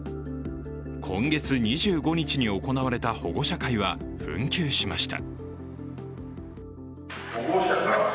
今月２５日に行われた保護者会は紛糾しました。